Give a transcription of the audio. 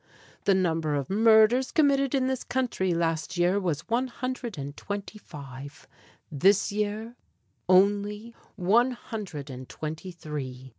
The number of murders committed in this country last year was one hundred and twenty five; this year only one hundred and twenty three.